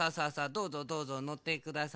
どうぞどうぞのってください。